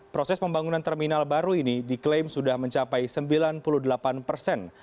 proses pembangunan terminal baru ini diklaim sudah mencapai sembilan puluh delapan persen